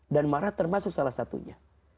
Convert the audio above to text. dan marah termasuk salah satunya